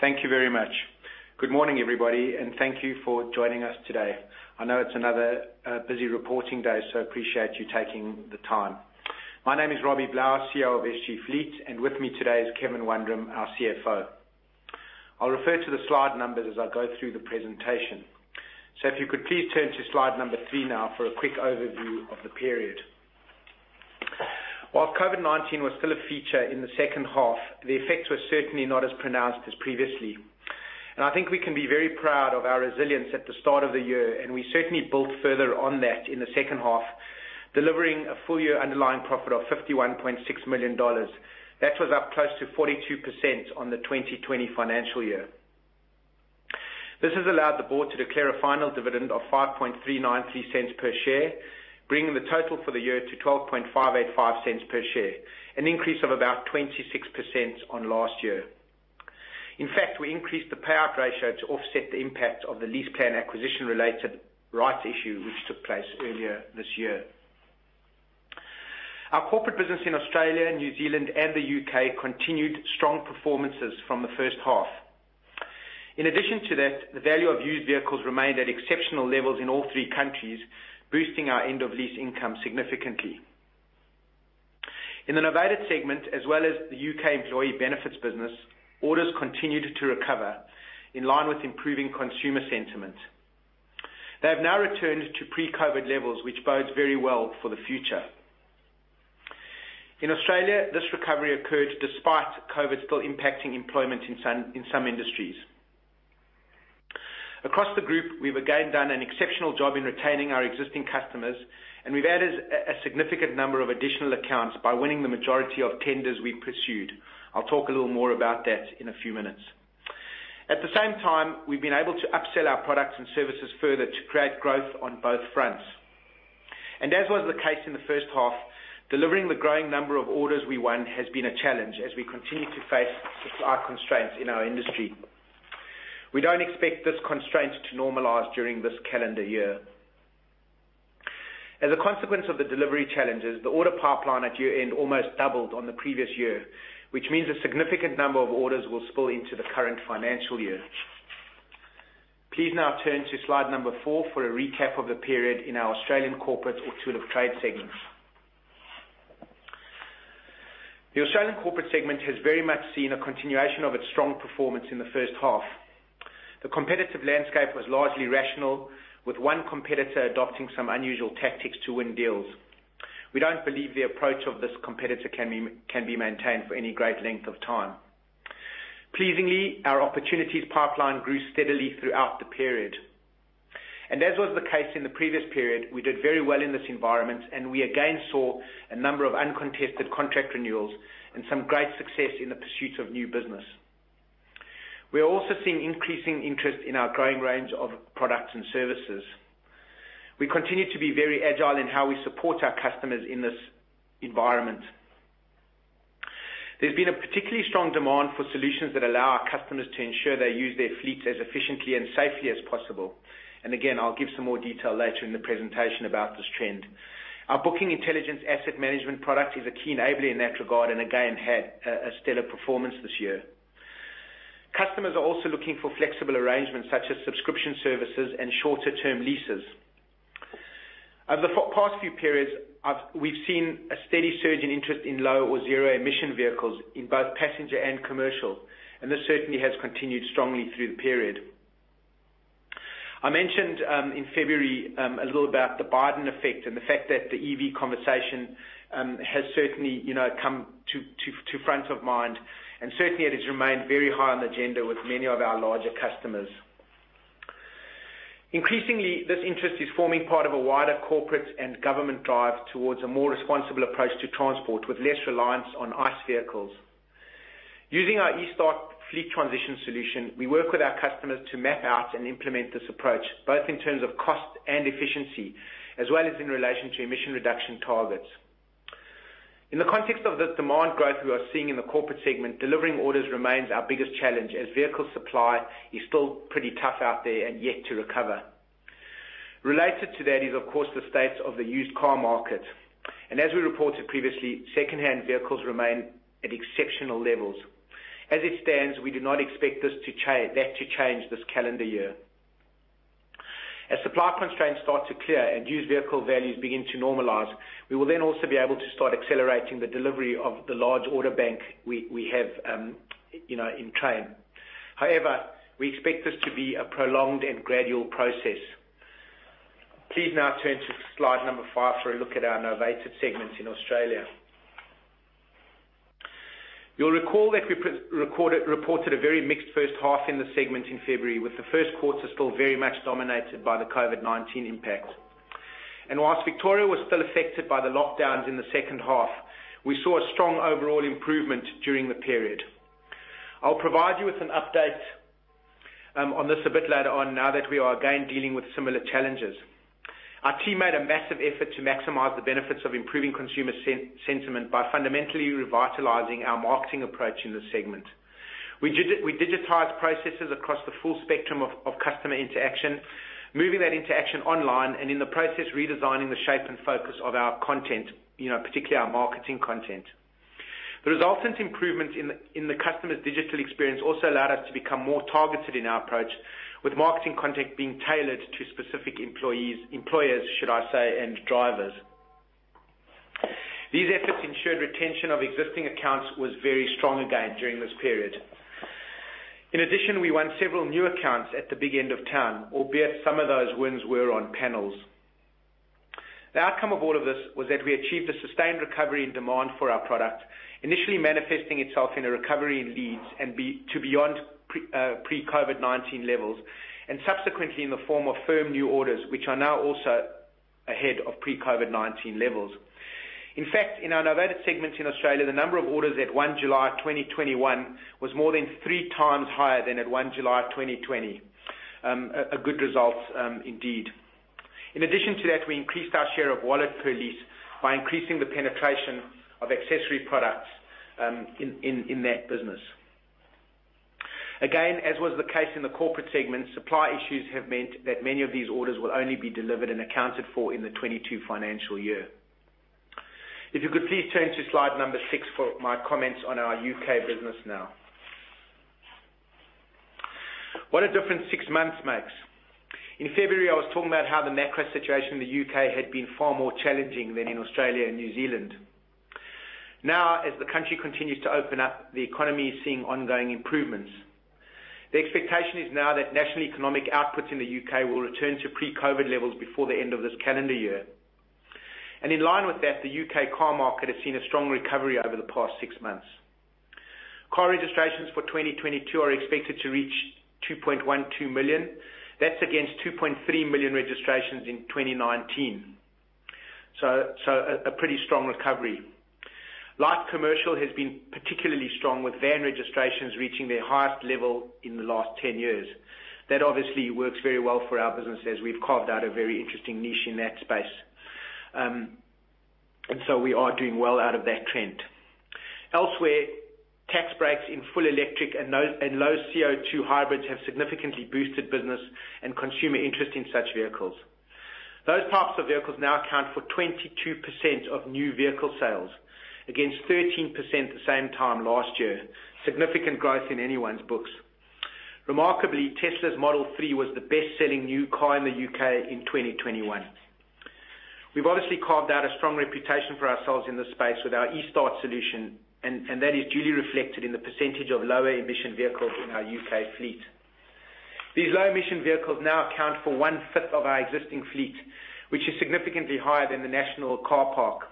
Thank you very much. Good morning, everybody. Thank you for joining us today. I know it's another busy reporting day, so appreciate you taking the time. My name is Robbie Blau, CEO of SG Fleet, and with me today is Kevin Wundram, our CFO. I'll refer to the slide numbers as I go through the presentation. If you could please turn to slide number three now for a quick overview of the period. While COVID-19 was still a feature in the second half, the effects were certainly not as pronounced as previously. I think we can be very proud of our resilience at the start of the year, and we certainly built further on that in the second half, delivering a full-year underlying profit of 51.6 million dollars. That was up close to 42% on the 2020 financial year. This has allowed the board to declare a final dividend of 0.05393 per share, bringing the total for the year to 0.12585 per share, an increase of about 26% on last year. In fact, we increased the payout ratio to offset the impact of the LeasePlan acquisition related rights issue, which took place earlier this year. Our corporate business in Australia, New Zealand, and the U.K., continued strong performances from the first half. In addition to that, the value of used vehicles remained at exceptional levels in all three countries, boosting our end of lease income significantly. In the novated segment, as well as the U.K. employee benefits business, orders continued to recover in line with improving consumer sentiment. They have now returned to pre-COVID levels, which bodes very well for the future. In Australia, this recovery occurred despite COVID still impacting employment in some industries. Across the group, we've again done an exceptional job in retaining our existing customers, and we've added a significant number of additional accounts by winning the majority of tenders we pursued. I'll talk a little more about that in a few minutes. At the same time, we've been able to upsell our products and services further to create growth on both fronts. As was the case in the first half, delivering the growing number of orders we won has been a challenge as we continue to face supply constraints in our industry. We don't expect this constraint to normalize during this calendar year. As a consequence of the delivery challenges, the order pipeline at year-end almost doubled on the previous year, which means a significant number of orders will spill into the current financial year. Please now turn to slide number four for a recap of the period in our Australian corporate or tool of trade segments. The Australian corporate segment has very much seen a continuation of its strong performance in the first half. The competitive landscape was largely rational, with one competitor adopting some unusual tactics to win deals. We don't believe the approach of this competitor can be maintained for any great length of time. Pleasingly, our opportunities pipeline grew steadily throughout the period. As was the case in the previous period, we did very well in this environment, and we again saw a number of uncontested contract renewals and some great success in the pursuit of new business. We are also seeing increasing interest in our growing range of products and services. We continue to be very agile in how we support our customers in this environment. There's been a particularly strong demand for solutions that allow our customers to ensure they use their fleet as efficiently and safely as possible. Again, I'll give some more detail later in the presentation about this trend. Our Bookingintelligence asset management product is a key enabler in that regard and again, had a stellar performance this year. Customers are also looking for flexible arrangements such as subscription services and shorter-term leases. Over the past few periods, we've seen a steady surge in interest in low or zero-emission vehicles in both passenger and commercial, and this certainly has continued strongly through the period. I mentioned in February, a little about the Biden effect and the fact that the EV conversation has certainly come to front of mind, and certainly it has remained very high on the agenda with many of our larger customers. Increasingly, this interest is forming part of a wider corporate and government drive towards a more responsible approach to transport with less reliance on ICE vehicles. Using our eStart fleet transition solution, we work with our customers to map out and implement this approach, both in terms of cost and efficiency, as well as in relation to emission reduction targets. In the context of the demand growth we are seeing in the corporate segment, delivering orders remains our biggest challenge, as vehicle supply is still pretty tough out there and yet to recover. Related to that is, of course, the state of the used car market. As we reported previously, secondhand vehicles remain at exceptional levels. As it stands, we do not expect that to change this calendar year. As supply constraints start to clear and used vehicle values begin to normalize, we will then also be able to start accelerating the delivery of the large order bank we have in train. However, we expect this to be a prolonged and gradual process. Please now turn to slide number five for a look at our novated segments in Australia. You'll recall that we reported a very mixed first half in the segment in February, with the first quarter still very much dominated by the COVID-19 impact. Whilst Victoria was still affected by the lockdowns in the second half, we saw a strong overall improvement during the period. I'll provide you with an update on this a bit later on now that we are again dealing with similar challenges. Our team made a massive effort to maximize the benefits of improving consumer sentiment by fundamentally revitalizing our marketing approach in this segment. We digitized processes across the full spectrum of customer interaction. Moving that into action online and in the process, redesigning the shape and focus of our content, particularly our marketing content. The resultant improvements in the customer's digital experience also allowed us to become more targeted in our approach, with marketing content being tailored to specific employers, should I say, and drivers. These efforts ensured retention of existing accounts was very strong again during this period. In addition, we won several new accounts at the big end of town, albeit some of those wins were on panels. The outcome of all of this was that we achieved a sustained recovery in demand for our product, initially manifesting itself in a recovery in leads to beyond pre-COVID-19 levels, and subsequently in the form of firm new orders, which are now also ahead of pre-COVID-19 levels. In fact, in our novated segments in Australia, the number of orders at 1 July 2021 was more than three times higher than at 1 July 2020. A good result indeed. In addition to that, we increased our share of wallet per lease by increasing the penetration of accessory products in that business. Again, as was the case in the corporate segment, supply issues have meant that many of these orders will only be delivered and accounted for in the 22 financial year. If you could please turn to slide number six for my comments on our U.K. business now. What a different six months makes. In February, I was talking about how the macro situation in the U.K. had been far more challenging than in Australia and New Zealand. As the country continues to open up, the economy is seeing ongoing improvements. The expectation is now that national economic outputs in the U.K. will return to pre-COVID levels before the end of this calendar year. In line with that, the U.K. car market has seen a strong recovery over the past six months. Car registrations for 2022 are expected to reach 2.12 million. That's against 2.3 million registrations in 2019. A pretty strong recovery. Light commercial has been particularly strong, with van registrations reaching their highest level in the last 10 years. That obviously works very well for our business as we've carved out a very interesting niche in that space. We are doing well out of that trend. Elsewhere, tax breaks in full electric and low CO2 hybrids have significantly boosted business and consumer interest in such vehicles. Those types of vehicles now account for 22% of new vehicle sales against 13% the same time last year. Significant growth in anyone's books. Remarkably, Tesla's Model 3 was the best-selling new car in the U.K. in 2021. We've obviously carved out a strong reputation for ourselves in this space with our eStart solution, and that is duly reflected in the percentage of lower emission vehicles in our U.K. fleet. These low-emission vehicles now account for one-fifth of our existing fleet, which is significantly higher than the national car park.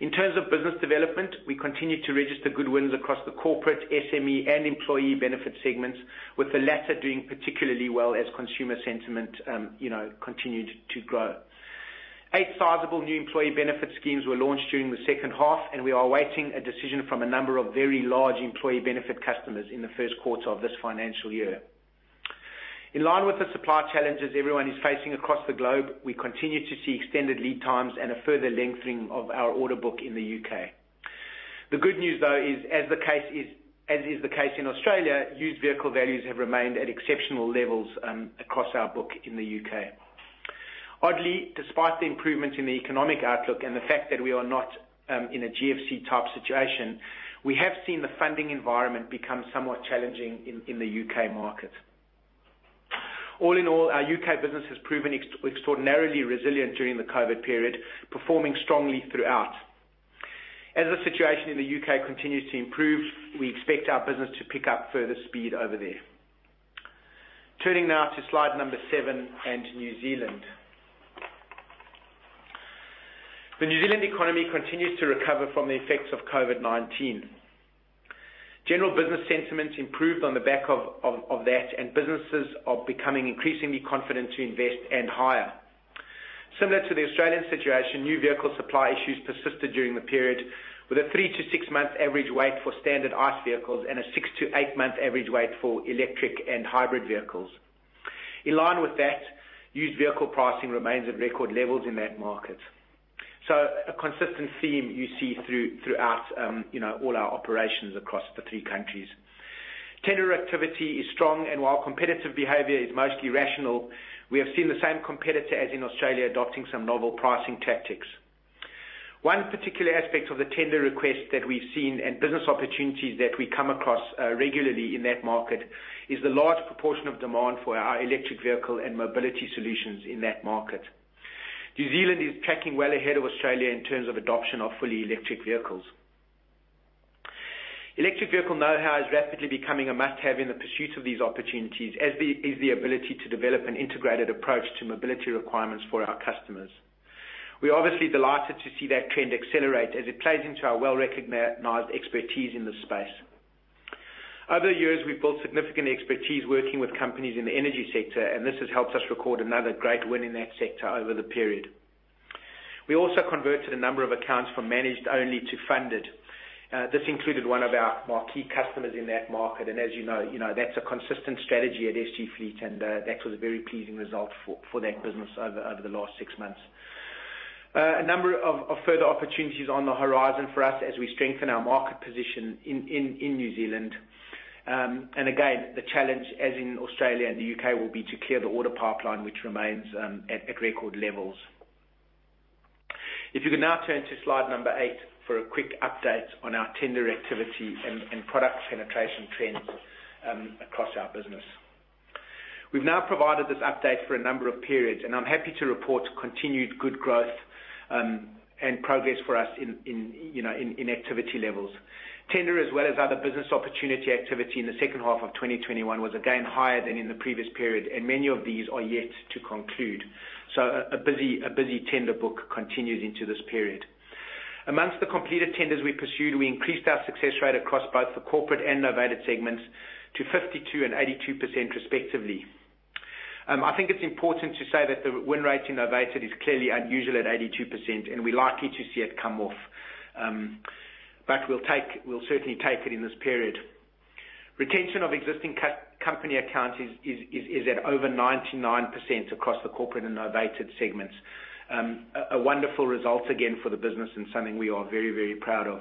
In terms of business development, we continue to register good wins across the corporate SME and employee benefit segments, with the latter doing particularly well as consumer sentiment continued to grow. Eight sizable new employee benefit schemes were launched during the second half, and we are awaiting a decision from a number of very large employee benefit customers in the first quarter of this financial year. In line with the supply challenges everyone is facing across the globe, we continue to see extended lead times and a further lengthening of our order book in the U.K. The good news, though, is as is the case in Australia, used vehicle values have remained at exceptional levels across our book in the U.K. Oddly, despite the improvements in the economic outlook and the fact that we are not in a GFC type situation, we have seen the funding environment become somewhat challenging in the U.K. market. All in all, our U.K. business has proven extraordinarily resilient during the COVID period, performing strongly throughout. As the situation in the U.K. continues to improve, we expect our business to pick up further speed over there. Turning now to slide number seven and New Zealand. The New Zealand economy continues to recover from the effects of COVID-19. General business sentiment improved on the back of that, and businesses are becoming increasingly confident to invest and hire. Similar to the Australian situation, new vehicle supply issues persisted during the period with a three to six month average wait for standard ICE vehicles and a six to eight month average wait for electric and hybrid vehicles. In line with that, used vehicle pricing remains at record levels in that market. A consistent theme you see throughout all our operations across the three countries. Tender activity is strong, and while competitive behavior is mostly rational, we have seen the same competitor as in Australia adopting some novel pricing tactics. One particular aspect of the tender request that we've seen and business opportunities that we come across regularly in that market is the large proportion of demand for our electric vehicle and mobility solutions in that market. New Zealand is tracking well ahead of Australia in terms of adoption of fully electric vehicles. Electric vehicle know-how is rapidly becoming a must-have in the pursuit of these opportunities, as is the ability to develop an integrated approach to mobility requirements for our customers. We are obviously delighted to see that trend accelerate as it plays into our well-recognized expertise in this space. Over the years, we've built significant expertise working with companies in the energy sector, and this has helped us record another great win in that sector over the period. We also converted a number of accounts from managed only to funded. This included one of our marquee customers in that market, and as you know, that's a consistent strategy at SG Fleet and that was a very pleasing result for that business over the last six months. A number of further opportunities on the horizon for us as we strengthen our market position in New Zealand. Again, the challenge, as in Australia and the U.K., will be to clear the order pipeline, which remains at record levels. If you can now turn to slide number eight for a quick update on our tender activity and product penetration trends across our business. We've now provided this update for a number of periods, I'm happy to report continued good growth and progress for us in activity levels. Tender as well as other business opportunity activity in the second half of 2021 was again higher than in the previous period, Many of these are yet to conclude. A busy tender book continues into this period. Amongst the completed tenders we pursued, we increased our success rate across both the corporate and novated segments to 52% and 82% respectively. I think it's important to say that the win rate in novated is clearly unusual at 82%, We're likely to see it come off. We'll certainly take it in this period. Retention of existing company accounts is at over 99% across the corporate and novated segments. A wonderful result again for the business and something we are very, very proud of.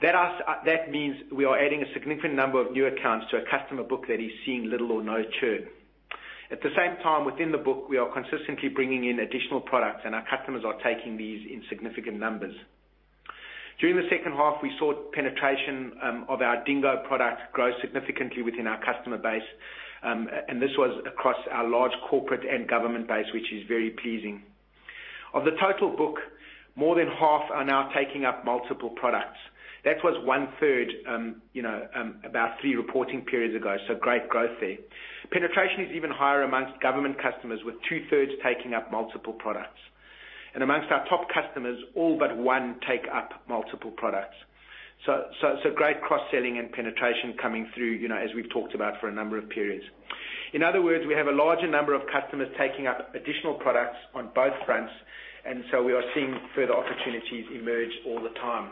That means we are adding a significant number of new accounts to a customer book that is seeing little or no churn. At the same time, within the book, we are consistently bringing in additional products and our customers are taking these in significant numbers. During the second half, we saw penetration of our DingGo product grow significantly within our customer base, and this was across our large corporate and government base, which is very pleasing. Of the total book, more than half are now taking up multiple products. That was one third about three reporting periods ago, so great growth there. Penetration is even higher amongst government customers, with 2/3 taking up multiple products. Amongst our top customers, all but one take up multiple products. Great cross-selling and penetration coming through as we've talked about for a number of periods. In other words, we have a larger number of customers taking up additional products on both fronts, we are seeing further opportunities emerge all the time.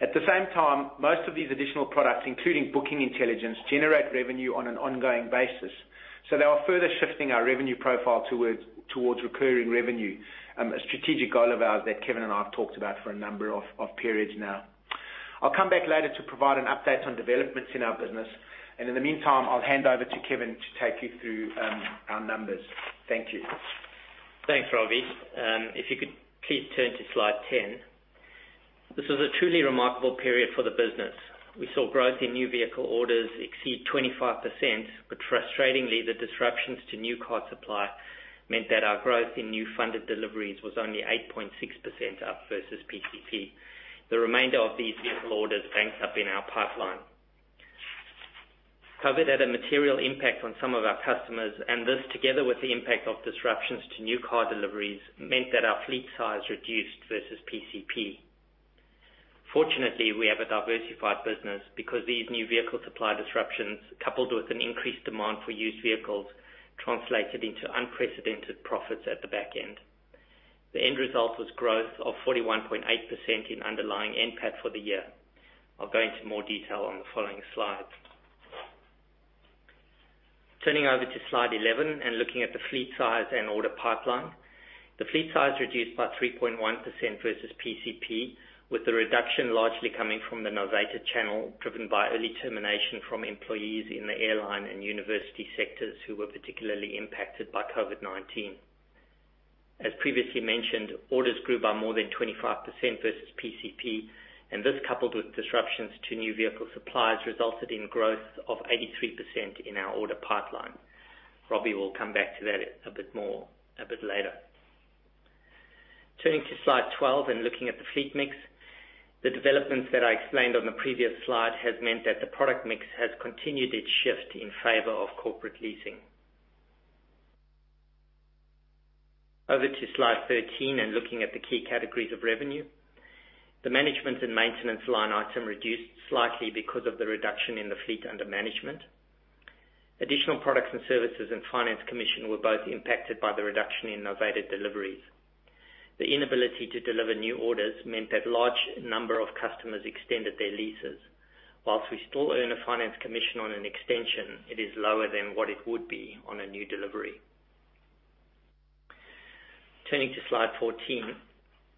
At the same time, most of these additional products, including Bookingintelligence, generate revenue on an ongoing basis, they are further shifting our revenue profile towards recurring revenue, a strategic goal of ours that Kevin and I have talked about for a number of periods now. I'll come back later to provide an update on developments in our business, in the meantime, I'll hand over to Kevin to take you through our numbers. Thank you. Thanks, Robbie. If you could please turn to slide 10. This was a truly remarkable period for the business. We saw growth in new vehicle orders exceed 25%, but frustratingly, the disruptions to new car supply meant that our growth in new funded deliveries was only 8.6% up versus PCP. The remainder of these vehicle orders banked up in our pipeline. COVID had a material impact on some of our customers, and this, together with the impact of disruptions to new car deliveries, meant that our fleet size reduced versus PCP. Fortunately, we have a diversified business because these new vehicle supply disruptions, coupled with an increased demand for used vehicles, translated into unprecedented profits at the back end. The end result was growth of 41.8% in underlying NPAT for the year. I'll go into more detail on the following slides. Turning over to slide 11 and looking at the fleet size and order pipeline. The fleet size reduced by 3.1% versus PCP, with the reduction largely coming from the novated channel, driven by early termination from employees in the airline and university sectors who were particularly impacted by COVID-19. As previously mentioned, orders grew by more than 25% versus PCP, and this, coupled with disruptions to new vehicle supplies, resulted in growth of 83% in our order pipeline. Robbie will come back to that a bit more later. Turning to slide 12 and looking at the fleet mix. The developments that I explained on the previous slide has meant that the product mix has continued its shift in favor of corporate leasing. Over to slide 13 and looking at the key categories of revenue. The management and maintenance line item reduced slightly because of the reduction in the fleet under management. Additional products and services and finance commission were both impacted by the reduction in novated deliveries. The inability to deliver new orders meant that large number of customers extended their leases. Whilst we still earn a finance commission on an extension, it is lower than what it would be on a new delivery. Turning to slide 14.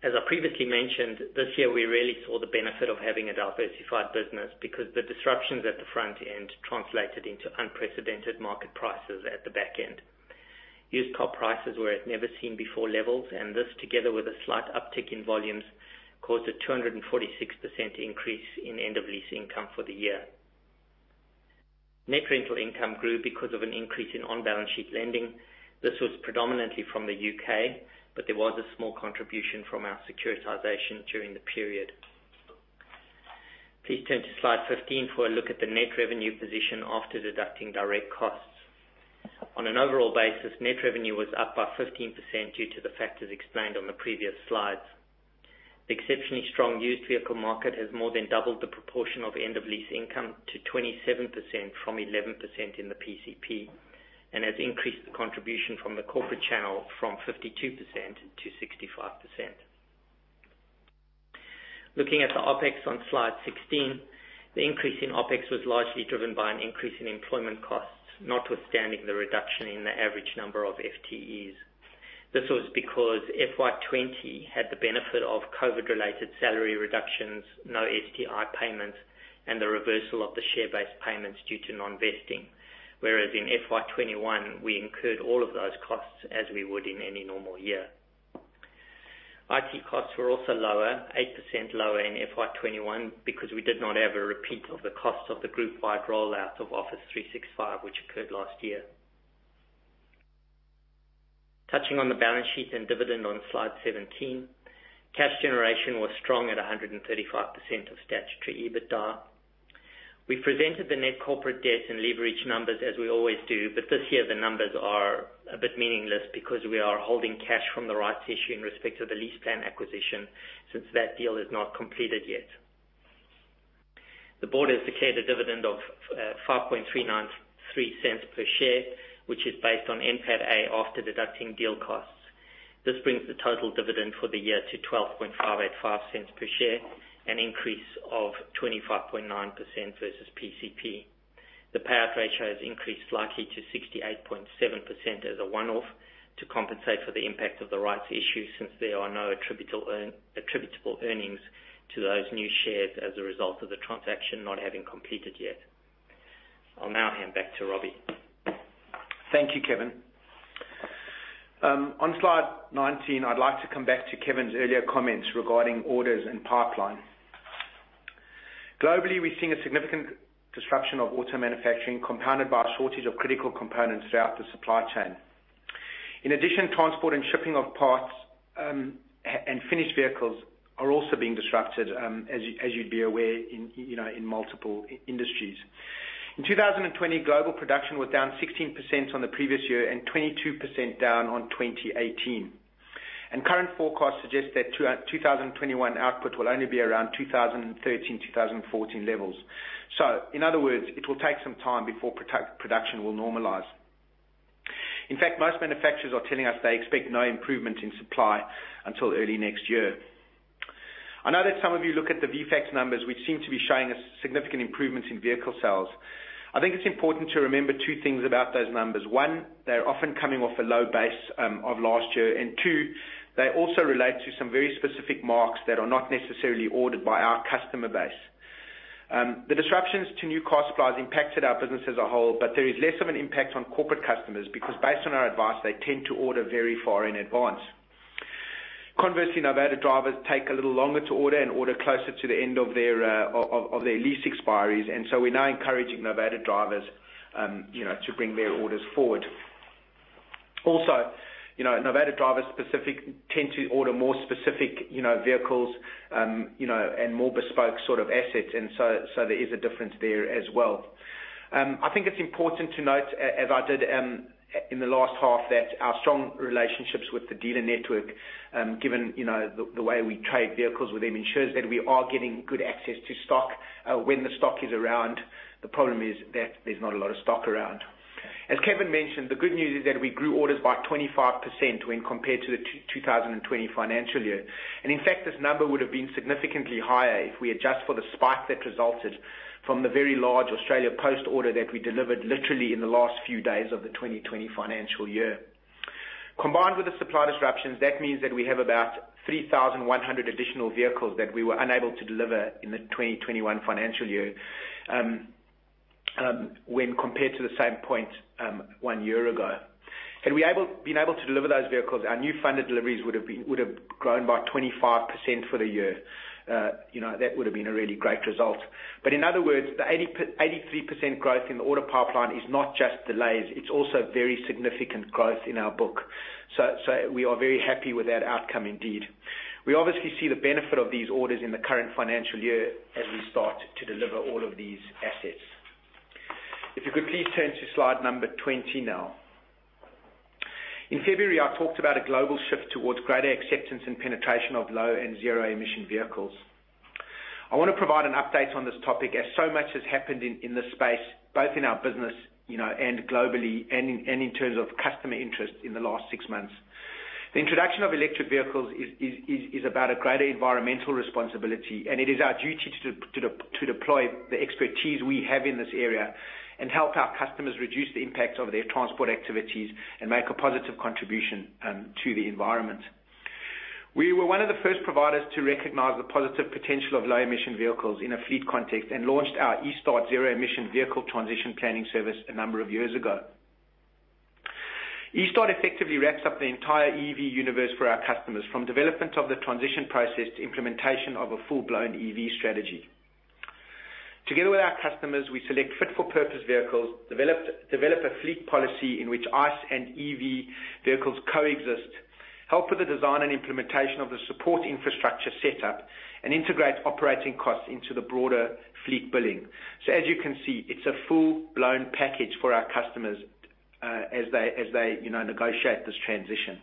As I previously mentioned, this year, we really saw the benefit of having a diversified business because the disruptions at the front end translated into unprecedented market prices at the back end. Used car prices were at never-seen-before levels, and this, together with a slight uptick in volumes, caused a 246% increase in end-of-lease income for the year. Net rental income grew because of an increase in on-balance sheet lending. This was predominantly from the U.K., but there was a small contribution from our securitization during the period. Please turn to slide 15 for a look at the net revenue position after deducting direct costs. On an overall basis, net revenue was up by 15% due to the factors explained on the previous slides. The exceptionally strong used vehicle market has more than doubled the proportion of end-of-lease income to 27%, from 11% in the PCP, and has increased the contribution from the corporate channel from 52% to 65%. Looking at the OpEx on slide 16, the increase in OpEx was largely driven by an increase in employment costs, notwithstanding the reduction in the average number of FTEs. This was because FY 2020 had the benefit of COVID-related salary reductions, no STI payments, and the reversal of the share-based payments due to non-vesting. Whereas in FY 2021, we incurred all of those costs as we would in any normal year. IT costs were also lower, 8% lower in FY 2021 because we did not have a repeat of the cost of the group-wide rollout of Microsoft 365, which occurred last year. Touching on the balance sheet and dividend on slide 17. Cash generation was strong at 135% of statutory EBITDA. We presented the net corporate debt and leverage numbers as we always do, but this year the numbers are a bit meaningless because we are holding cash from the rights issue in respect of the LeasePlan acquisition, since that deal is not completed yet. The board has declared a dividend of 0.05393 per share, which is based on NPATA after deducting deal costs. This brings the total dividend for the year to 0.12585 per share, an increase of 25.9% versus PCP. The payout ratio has increased slightly to 68.7% as a one-off to compensate for the impact of the rights issue, since there are no attributable earnings to those new shares as a result of the transaction not having completed yet. I'll now hand back to Robbie. Thank you, Kevin. On slide 19, I'd like to come back to Kevin's earlier comments regarding orders and pipeline. Globally, we're seeing a significant disruption of auto manufacturing, compounded by a shortage of critical components throughout the supply chain. In addition, transport and shipping of parts, and finished vehicles are also being disrupted, as you'd be aware in multiple industries. In 2020, global production was down 16% on the previous year and 22% down on 2018. Current forecasts suggest that 2021 output will only be around 2013, 2014 levels. In other words, it will take some time before production will normalize. In fact, most manufacturers are telling us they expect no improvement in supply until early next year. I know that some of you look at the VFACTS numbers, which seem to be showing us significant improvements in vehicle sales. I think it's important to remember two things about those numbers. One, they're often coming off a low base, of last year. Two, they also relate to some very specific makes that are not necessarily ordered by our customer base. The disruptions to new car supplies impacted our business as a whole, but there is less of an impact on corporate customers because based on our advice, they tend to order very far in advance. Conversely, novated drivers take a little longer to order and order closer to the end of their lease expiries. We're now encouraging novated drivers to bring their orders forward. Also, novated drivers tend to order more specific vehicles, and more bespoke sort of assets. There is a difference there as well. I think it's important to note, as I did in the last half, that our strong relationships with the dealer network, given the way we trade vehicles with them ensures that we are getting good access to stock when the stock is around. The problem is that there's not a lot of stock around. As Kevin mentioned, the good news is that we grew orders by 25% when compared to the 2020 financial year. In fact, this number would have been significantly higher if we adjust for the spike that resulted from the very large Australia Post order that we delivered literally in the last few days of the 2020 financial year. Combined with the supply disruptions, that means that we have about 3,100 additional vehicles that we were unable to deliver in the 2021 financial year, when compared to the same point one year ago. Had we been able to deliver those vehicles, our new funded deliveries would have grown by 25% for the year. That would have been a really great result. In other words, the 83% growth in the order pipeline is not just delays, it's also very significant growth in our book. We are very happy with that outcome indeed. We obviously see the benefit of these orders in the current financial year as we start to deliver all of these assets. If you could please turn to slide number 20 now. In February, I talked about a global shift towards greater acceptance and penetration of low and zero-emission vehicles. I want to provide an update on this topic as so much has happened in this space, both in our business and globally, and in terms of customer interest in the last six months. The introduction of electric vehicles is about a greater environmental responsibility, and it is our duty to deploy the expertise we have in this area and help our customers reduce the impact of their transport activities and make a positive contribution to the environment. We were one of the first providers to recognize the positive potential of low-emission vehicles in a fleet context and launched our eStart zero-emission vehicle transition planning service a number of years ago. eStart effectively wraps up the entire EV universe for our customers, from development of the transition process to implementation of a full-blown EV strategy. Together with our customers, we select fit-for-purpose vehicles, develop a fleet policy in which ICE and EV vehicles coexist, help with the design and implementation of the support infrastructure set up, and integrate operating costs into the broader fleet billing. As you can see, it's a full-blown package for our customers, as they negotiate this transition.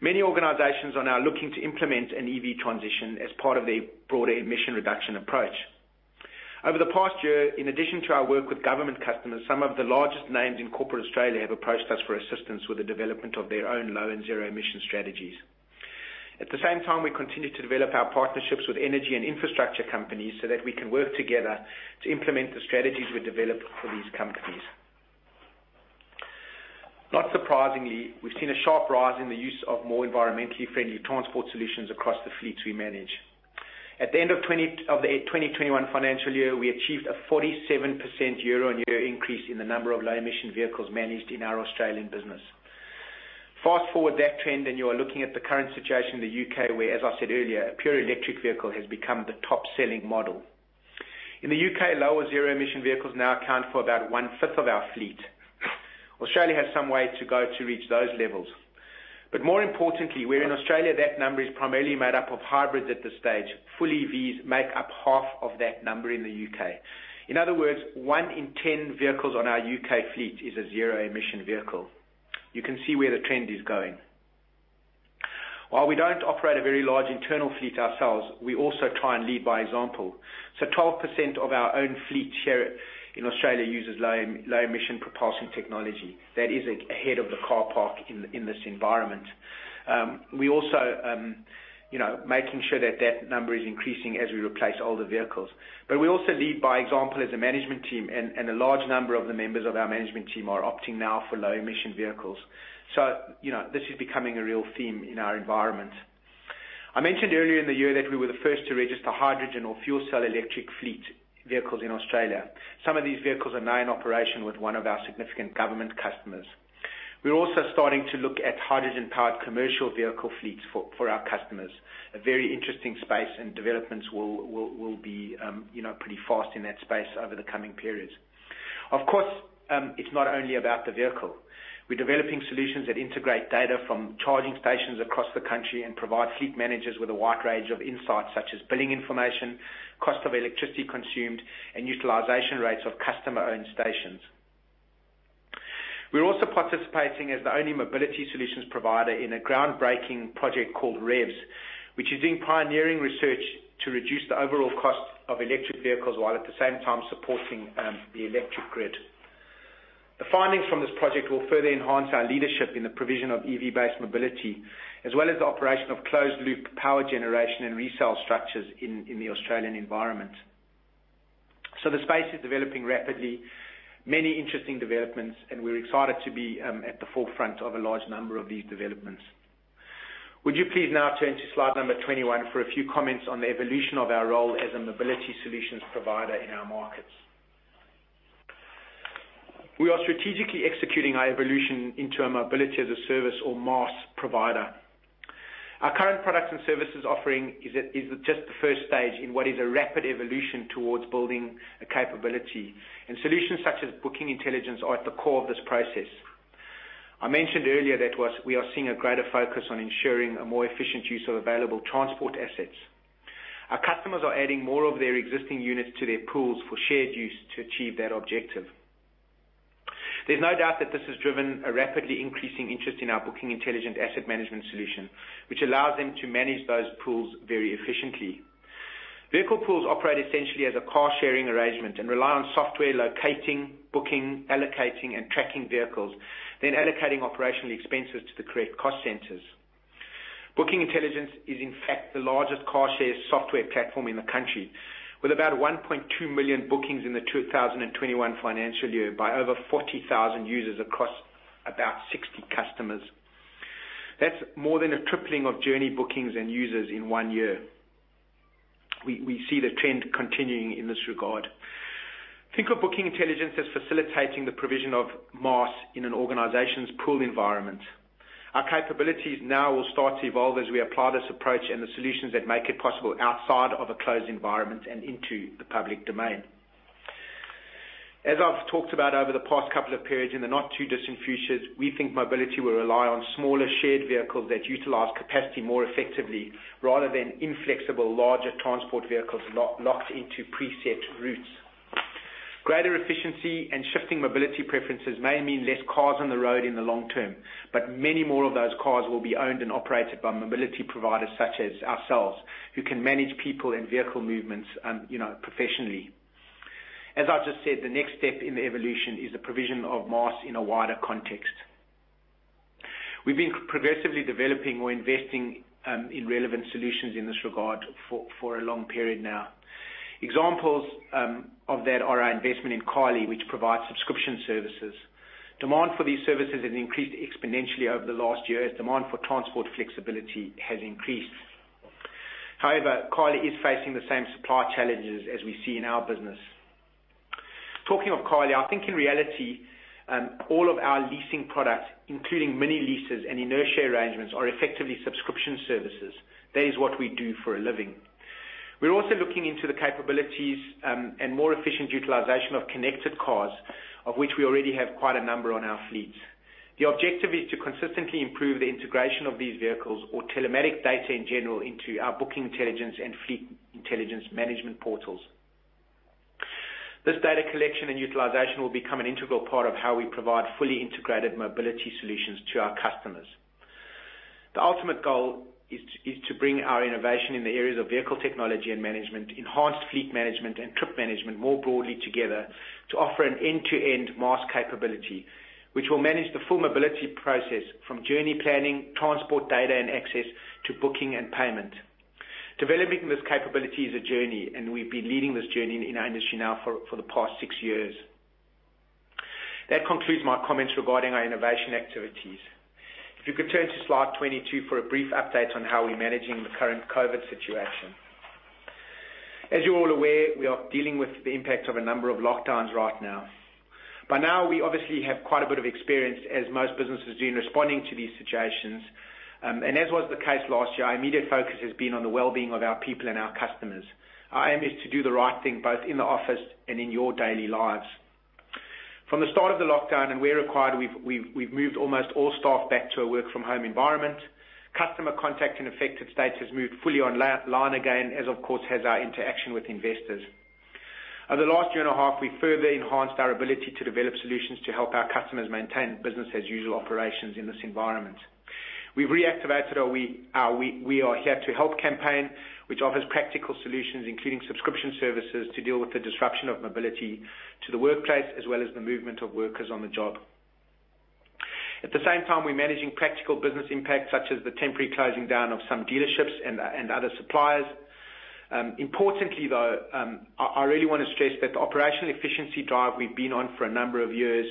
Many organizations are now looking to implement an EV transition as part of their broader emission reduction approach. Over the past year, in addition to our work with government customers, some of the largest names in corporate Australia have approached us for assistance with the development of their own low and zero-emission strategies. At the same time, we continue to develop our partnerships with energy and infrastructure companies so that we can work together to implement the strategies we develop for these companies. Not surprisingly, we've seen a sharp rise in the use of more environmentally friendly transport solutions across the fleets we manage. At the end of the 2021 financial year, we achieved a 47% year-on-year increase in the number of low-emission vehicles managed in our Australian business. Fast-forward that trend, you are looking at the current situation in the U.K., where, as I said earlier, a pure electric vehicle has become the top-selling model. In the U.K., low or zero-emission vehicles now account for about 1/5 of our fleet. Australia has some way to go to reach those levels. More importantly, where in Australia that number is primarily made up of hybrids at this stage, full EVs make up half of that number in the U.K. In other words, 1 in 10 vehicles on our U.K. fleet is a zero-emission vehicle. You can see where the trend is going. While we don't operate a very large internal fleet ourselves, we also try and lead by example. 12% of our own fleet share in Australia uses low-emission propulsion technology. That is ahead of the car park in this environment. We also, making sure that that number is increasing as we replace older vehicles. We also lead by example as a management team, and a large number of the members of our management team are opting now for low-emission vehicles. This is becoming a real theme in our environment. I mentioned earlier in the year that we were the first to register hydrogen or fuel cell electric fleet vehicles in Australia. Some of these vehicles are now in operation with one of our significant government customers. We are also starting to look at hydrogen-powered commercial vehicle fleets for our customers, a very interesting space, and developments will be pretty fast in that space over the coming periods. Of course, it's not only about the vehicle. We're developing solutions that integrate data from charging stations across the country and provide fleet managers with a wide range of insights, such as billing information, cost of electricity consumed, and utilization rates of customer-owned stations. We are also participating as the only mobility solutions provider in a groundbreaking project called REVS, which is doing pioneering research to reduce the overall cost of electric vehicles while at the same time supporting the electric grid. The findings from this project will further enhance our leadership in the provision of EV-based mobility, as well as the operation of closed-loop power generation and resale structures in the Australian environment. The space is developing rapidly. Many interesting developments. We're excited to be at the forefront of a large number of these developments. Would you please now turn to slide number 21 for a few comments on the evolution of our role as a mobility solutions provider in our markets? We are strategically executing our evolution into a Mobility as a Service or MaaS provider. Our current products and services offering is just the first stage in what is a rapid evolution towards building a capability, and solutions such as Bookingintelligence are at the core of this process. I mentioned earlier that we are seeing a greater focus on ensuring a more efficient use of available transport assets. Our customers are adding more of their existing units to their pools for shared use to achieve that objective. There's no doubt that this has driven a rapidly increasing interest in our Bookingintelligence asset management solution, which allows them to manage those pools very efficiently. Vehicle pools operate essentially as a car-sharing arrangement and rely on software locating, booking, allocating, and tracking vehicles, then allocating operational expenses to the correct cost centers. Bookingintelligence is in fact the largest car share software platform in the country, with about 1.2 million bookings in the 2021 financial year by over 40,000 users across about 60 customers. That's more than a tripling of journey bookings and users in one year. We see the trend continuing in this regard. Think of Bookingintelligence as facilitating the provision of MaaS in an organization's pool environment. Our capabilities now will start to evolve as we apply this approach and the solutions that make it possible outside of a closed environment and into the public domain. As I've talked about over the past couple of periods, in the not-too-distant futures, we think mobility will rely on smaller shared vehicles that utilize capacity more effectively rather than inflexible larger transport vehicles locked into preset routes. Greater efficiency and shifting mobility preferences may mean less cars on the road in the long-term, but many more of those cars will be owned and operated by mobility providers such as ourselves, who can manage people and vehicle movements professionally. As I've just said, the next step in the evolution is the provision of MaaS in a wider context. We've been progressively developing or investing in relevant solutions in this regard for a long period now. Examples of that are our investment in Carly, which provides subscription services. Demand for these services has increased exponentially over the last year as demand for transport flexibility has increased. Carly is facing the same supply challenges as we see in our business. Talking of Carly, I think in reality, all of our leasing products, including mini leases and inertia arrangements, are effectively subscription services. That is what we do for a living. We're also looking into the capabilities, and more efficient utilization of connected cars, of which we already have quite a number on our fleets. The objective is to consistently improve the integration of these vehicles or telematic data in general into our Bookingintelligence and Fleetintelligence management portals. This data collection and utilization will become an integral part of how we provide fully integrated mobility solutions to our customers. The ultimate goal is to bring our innovation in the areas of vehicle technology and management, enhanced fleet management, and trip management more broadly together to offer an end-to-end MaaS capability, which will manage the full mobility process from journey planning, transport data and access, to booking and payment. Developing this capability is a journey, and we've been leading this journey in our industry now for the past six years. That concludes my comments regarding our innovation activities. If you could turn to slide 22 for a brief update on how we're managing the current COVID-19 situation. As you're all aware, we are dealing with the impact of a number of lockdowns right now. By now, we obviously have quite a bit of experience, as most businesses do, in responding to these situations. As was the case last year, our immediate focus has been on the well-being of our people and our customers. Our aim is to do the right thing, both in the office and in your daily lives. From the start of the lockdown and where required, we've moved almost all staff back to a work from home environment. Customer contact in affected states has moved fully online again, as, of course, has our interaction with investors. Over the last year and a half, we further enhanced our ability to develop solutions to help our customers maintain business as usual operations in this environment. We reactivated our We are here to help campaign, which offers practical solutions, including subscription services, to deal with the disruption of mobility to the workplace, as well as the movement of workers on the job. At the same time, we're managing practical business impacts, such as the temporary closing down of some dealerships and other suppliers. Importantly, though, I really want to stress that the operational efficiency drive we've been on for a number of years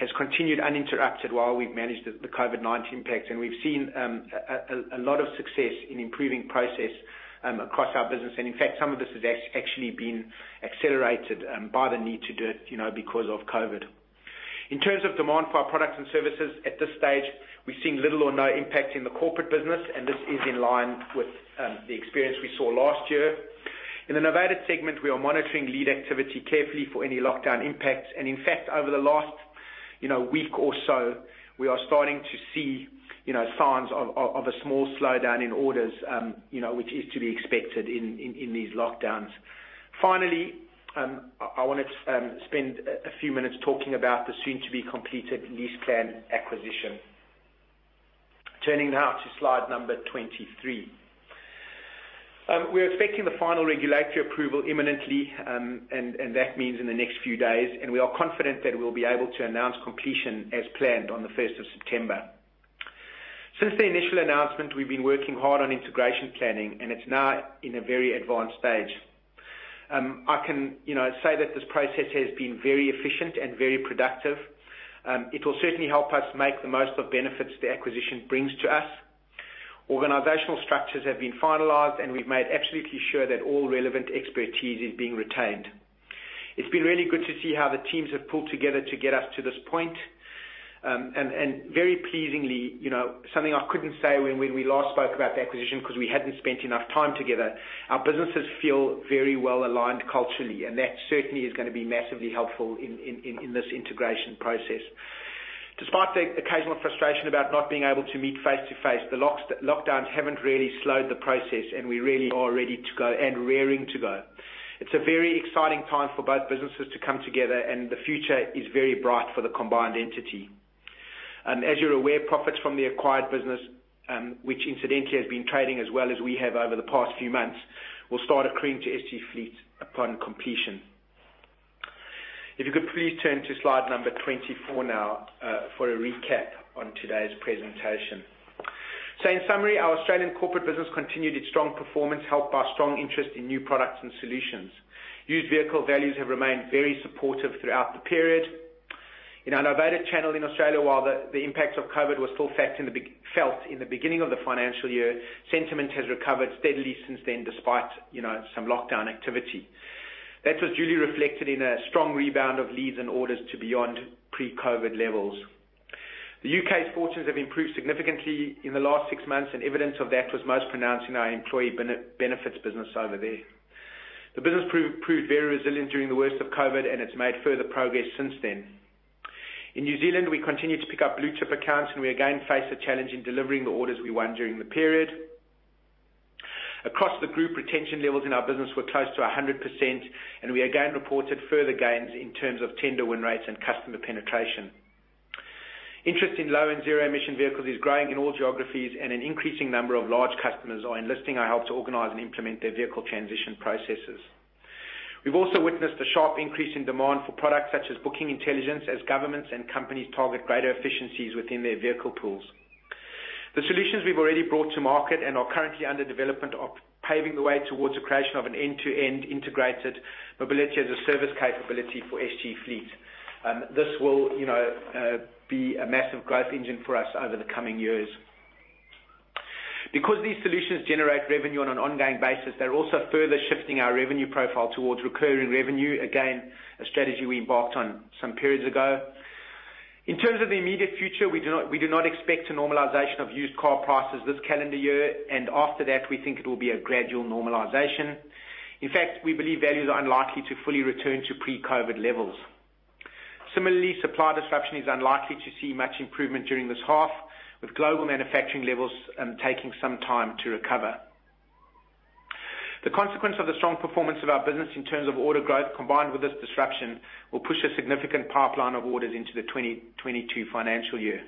has continued uninterrupted while we've managed the COVID-19 impact. We've seen a lot of success in improving process across our business. In fact, some of this has actually been accelerated by the need to do it because of COVID. In terms of demand for our products and services, at this stage, we're seeing little or no impact in the corporate business. This is in line with the experience we saw last year. In the novated segment, we are monitoring lead activity carefully for any lockdown impacts. In fact, over the last week or so, we are starting to see signs of a small slowdown in orders, which is to be expected in these lockdowns. Finally, I wanted to spend a few minutes talking about the soon-to-be-completed LeasePlan acquisition. Turning now to slide number 23. We're expecting the final regulatory approval imminently. That means in the next few days. We are confident that we'll be able to announce completion as planned on the 1st of September. Since the initial announcement, we've been working hard on integration planning. It's now in a very advanced stage. I can say that this process has been very efficient and very productive. It will certainly help us make the most of benefits the acquisition brings to us. Organizational structures have been finalized, and we've made absolutely sure that all relevant expertise is being retained. It's been really good to see how the teams have pulled together to get us to this point. Very pleasingly, something I couldn't say when we last spoke about the acquisition because we hadn't spent enough time together, our businesses feel very well aligned culturally, and that certainly is going to be massively helpful in this integration process. Despite the occasional frustration about not being able to meet face-to-face, the lockdowns haven't really slowed the process, and we really are ready to go and raring to go. It's a very exciting time for both businesses to come together, and the future is very bright for the combined entity. As you're aware, profits from the acquired business, which incidentally has been trading as well as we have over the past few months, will start accruing to SG Fleet upon completion. If you could please turn to slide number 24 now for a recap on today's presentation. In summary, our Australian corporate business continued its strong performance, helped by strong interest in new products and solutions. Used vehicle values have remained very supportive throughout the period. In our novated channel in Australia, while the impacts of COVID-19 were still felt in the beginning of the financial year, sentiment has recovered steadily since then, despite some lockdown activity. That was duly reflected in a strong rebound of leads and orders to beyond pre-COVID-19 levels. The U.K. fortunes have improved significantly in the last six months, and evidence of that was most pronounced in our employee benefits business over there. The business proved very resilient during the worst of COVID-19, and it's made further progress since then. In New Zealand, we continued to pick up blue-chip accounts, and we again faced a challenge in delivering the orders we won during the period. Across the group, retention levels in our business were close to 100%, and we again reported further gains in terms of tender win rates and customer penetration. Interest in low and zero-emission vehicles is growing in all geographies, and an increasing number of large customers are enlisting our help to organize and implement their vehicle transition processes. We've also witnessed a sharp increase in demand for products such as Bookingintelligence as governments and companies target greater efficiencies within their vehicle pools. The solutions we've already brought to market and are currently under development are paving the way towards the creation of an end-to-end integrated Mobility as a Service capability for SG Fleet. This will be a massive growth engine for us over the coming years. Because these solutions generate revenue on an ongoing basis, they're also further shifting our revenue profile towards recurring revenue, again, a strategy we embarked on some periods ago. In terms of the immediate future, we do not expect a normalization of used car prices this calendar year, and after that, we think it will be a gradual normalization. In fact, we believe values are unlikely to fully return to pre-COVID levels. Similarly, supply disruption is unlikely to see much improvement during this half, with global manufacturing levels taking some time to recover. The consequence of the strong performance of our business in terms of order growth, combined with this disruption, will push a significant pipeline of orders into the 2022 financial year.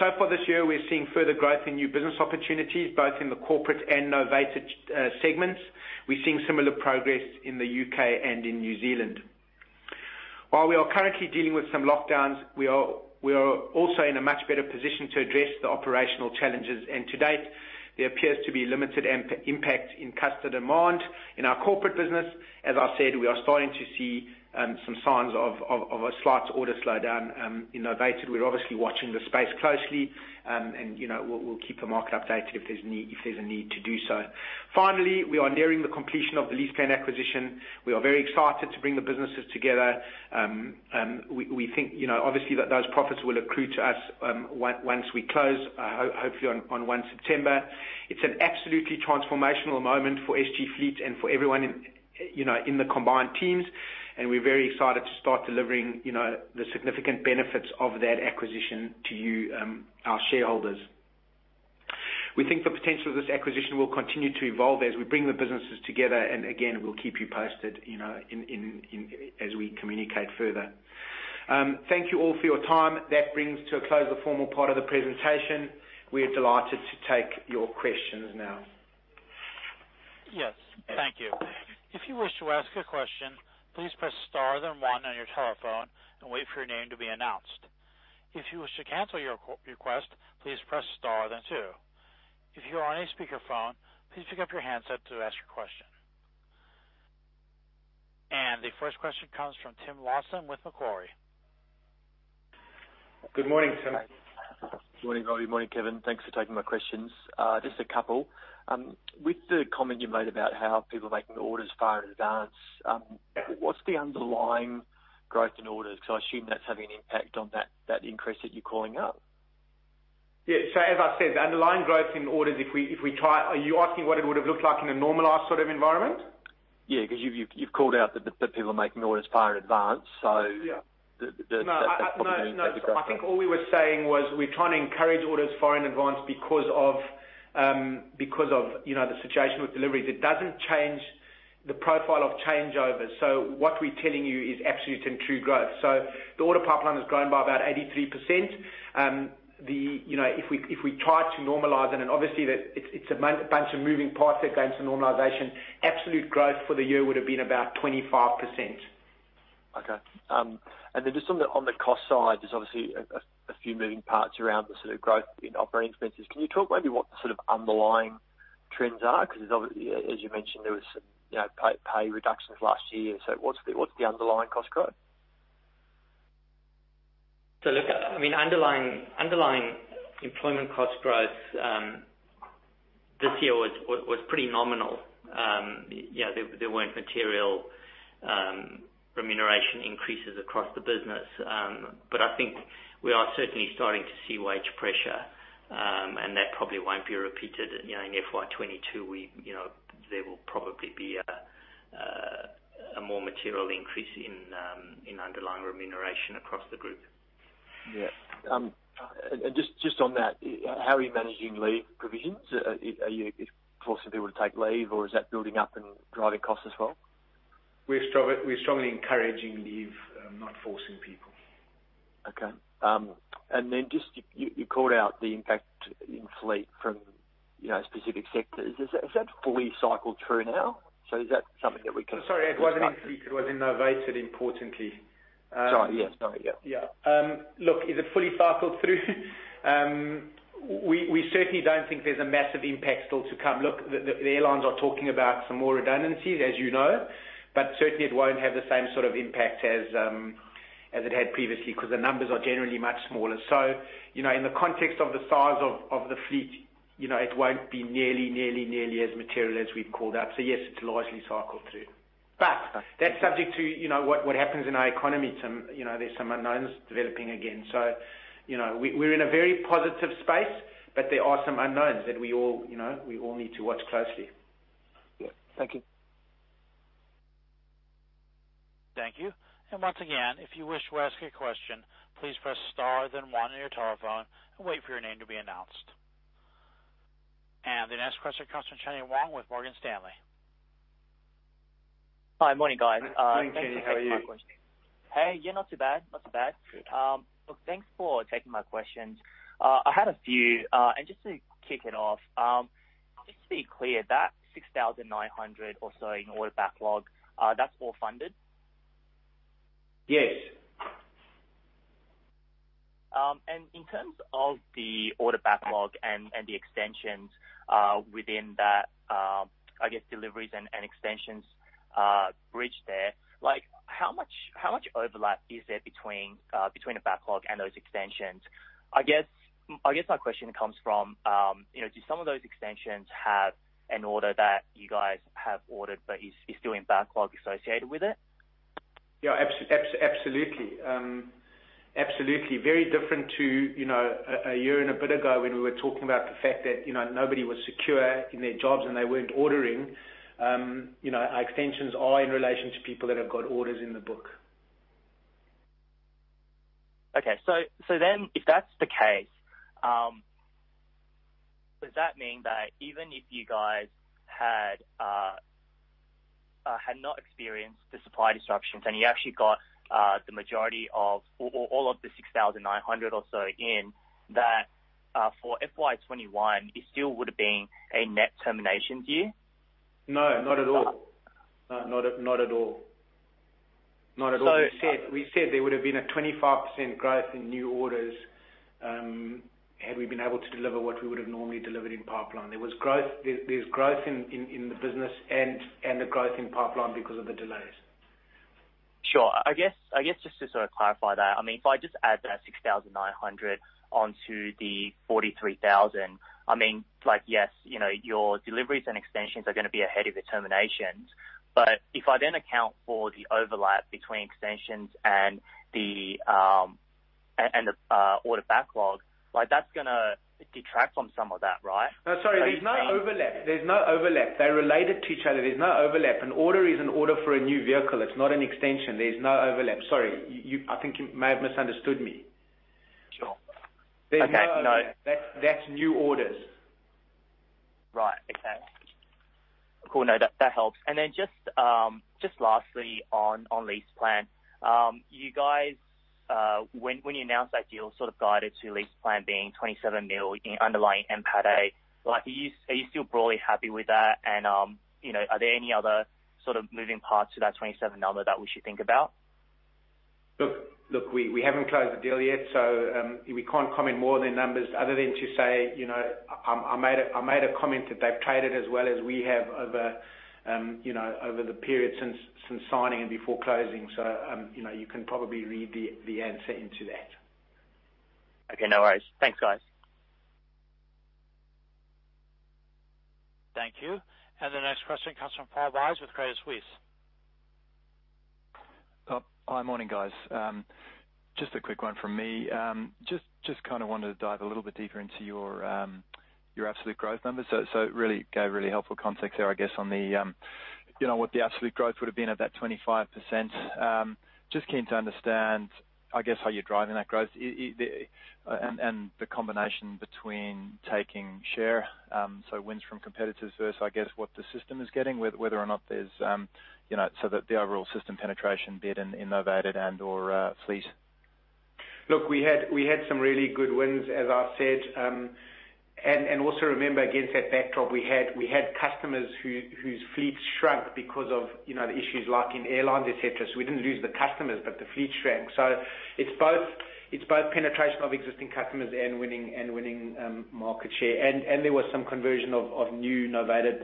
Far this year, we're seeing further growth in new business opportunities, both in the Corporate and novated segments. We're seeing similar progress in the U.K. and in New Zealand. While we are currently dealing with some lockdowns, we are also in a much better position to address the operational challenges. To date, there appears to be limited impact in customer demand. In our Corporate business, as I said, we are starting to see some signs of a slight order slowdown in novated. We're obviously watching the space closely, and we'll keep the market updated if there's a need to do so. Finally, we are nearing the completion of the LeasePlan acquisition. We are very excited to bring the businesses together. We think obviously that those profits will accrue to us once we close, hopefully on the 1 September. It's an absolutely transformational moment for SG Fleet and for everyone in the combined teams, and we're very excited to start delivering the significant benefits of that acquisition to you, our shareholders. We think the potential of this acquisition will continue to evolve as we bring the businesses together, and again, we'll keep you posted as we communicate further. Thank you all for your time. That brings to a close the formal part of the presentation. We are delighted to take your questions now. Yes. Thank you. If you wish to ask a question, please press star then one on your telephone and wait for your name to be announced. If you wish to cancel your request, please press star then two. If you are on a speakerphone, please pick up your handset to ask your question. The first question comes from Tim Lawson with Macquarie. Good morning, Tim. Good morning, Rob. Good morning, Kevin. Thanks for taking my questions. Just a couple. With the comment you made about how people are making orders far in advance, what's the underlying growth in orders? I assume that's having an impact on that increase that you're calling out. Yeah. As I said, the underlying growth in orders, are you asking what it would have looked like in a normalized sort of environment? Yeah. Because you've called out that people are making orders far in advance. Yeah. That's probably. No. I think all we were saying was we're trying to encourage orders far in advance because of the situation with deliveries. It doesn't change the profile of changeovers. What we're telling you is absolute and true growth. The order pipeline has grown by about 83%. If we try to normalize it, and obviously it's a bunch of moving parts that go into normalization, absolute growth for the year would have been about 25%. Okay. Just on the cost side, there's obviously a few moving parts around the sort of growth in operating expenses. Can you talk maybe what the sort of underlying trends are? Because as you mentioned, there was some pay reductions last year. What's the underlying cost growth? Look, underlying employment cost growth this year was pretty nominal. There weren't material remuneration increases across the business. I think we are certainly starting to see wage pressure, and that probably won't be repeated in FY 2022. There will probably be a more material increase in underlying remuneration across the group. Yeah. Just on that, how are you managing leave provisions? Are you forcing people to take leave, or is that building up and driving costs as well? We're strongly encouraging leave, not forcing people. Okay. Just, you called out the impact in fleet from specific sectors. Has that fully cycled through now? Sorry, it wasn't in fleet. It was in novated, importantly. Sorry. Yes. Yeah. Look, is it fully cycled through? We certainly don't think there's a massive impact still to come. Certainly it won't have the same sort of impact as it had previously, because the numbers are generally much smaller. In the context of the size of the fleet, it won't be nearly as material as we've called out. Yes, it's largely cycled through. That's subject to what happens in our economy, Tim. There's some unknowns developing again. We're in a very positive space, but there are some unknowns that we all need to watch closely. Yeah. Thank you. Thank you. Once again, if you wish to ask a question, please press star one on your telephone, and wait for your name to be announced. The next question comes from Kenny Wong with Morgan Stanley. Hi. Morning, guys. Morning, Kenny. How are you? Hey. Yeah, not too bad. Good. Look, thanks for taking my questions. I had a few. Just to kick it off, just to be clear, that 6,900 or so in order backlog, that's all funded? Yes. In terms of the order backlog and the extensions within that, I guess, deliveries and extensions bridge there, how much overlap is there between the backlog and those extensions? My question comes from, do some of those extensions have an order that you guys have ordered but is still in backlog associated with it? Yeah. Absolutely. Very different to a year and a bit ago when we were talking about the fact that nobody was secure in their jobs and they weren't ordering. Our extensions are in relation to people that have got orders in the book. Okay. If that's the case, does that mean that even if you guys had not experienced the supply disruptions and you actually got the majority of or all of the 6,900 or so in, that for FY 2021, it still would have been a net termination year? No, not at all. Not at all. So- We said there would have been a 25% growth in new orders, had we been able to deliver what we would have normally delivered in pipeline. There's growth in the business and the growth in pipeline because of the delays. Sure. I guess just to sort of clarify that, if I just add that 6,900 onto the 43,000, yes, your deliveries and extensions are going to be ahead of your terminations. If I then account for the overlap between extensions and the order backlog, that's going to detract from some of that, right? No, sorry, there's no overlap. They're related to each other. There's no overlap. An order is an order for a new vehicle. It's not an extension. There's no overlap. Sorry, I think you may have misunderstood me. Sure. Okay. No. That's new orders. Right. Okay. Cool. No, that helps. Then just lastly on LeasePlan. You guys, when you announced that deal, sort of guided to LeasePlan being 27 million in underlying NPATA. Are you still broadly happy with that? Are there any other sort of moving parts to that 27 number that we should think about? Look, we haven't closed the deal yet, so, we can't comment more on their numbers other than to say, I made a comment that they've traded as well as we have over the period since signing and before closing. You can probably read the answer into that. Okay, no worries. Thanks, guys. Thank you. The next question comes from Paul Weiss with Credit Suisse. Hi. Morning, guys. Just a quick one from me. Just kind of wanted to dive a little bit deeper into your absolute growth numbers. Really gave really helpful context there, I guess, on what the absolute growth would have been at that 25%. Just keen to understand, I guess, how you're driving that growth and the combination between taking share, so wins from competitors versus, I guess, what the system is getting, whether or not there's, so that the overall system penetration bid in novated and/or Fleet. Look, we had some really good wins, as I said. Also remember, against that backdrop, we had customers whose fleets shrunk because of the issues like in airlines, et cetera. We didn't lose the customers, but the fleet shrank. It's both penetration of existing customers and winning market share. There was some conversion of new novated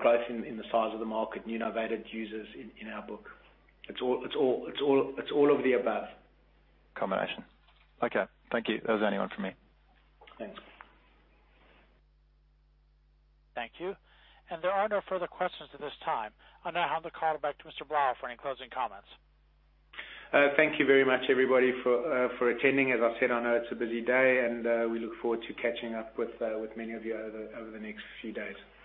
growth in the size of the market, new novated users in our book. It's all of the above. Combination. Okay. Thank you. That was the only one from me. Thanks. Thank you. There are no further questions at this time. I now hand the call back to Mr. Blau for any closing comments. Thank you very much, everybody, for attending. As I said, I know it's a busy day, and we look forward to catching up with many of you over the next few days.